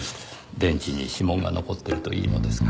電池に指紋が残ってるといいのですが。